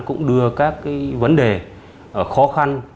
cũng đưa các cái vấn đề khó khăn